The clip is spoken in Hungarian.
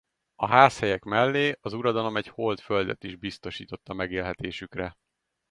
A házhelyek mellé az uradalom egy hold földet is biztosított a megélhetésükre.